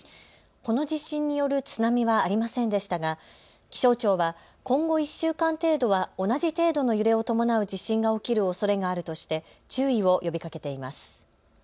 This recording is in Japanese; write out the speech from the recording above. この地震による津波はありませんでしたが気象庁は今後１週間程度は同じ程度の揺れを伴う地震が起きるおそれがあるとして注意を呼びかけています。